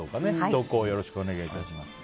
投稿よろしくお願い致します。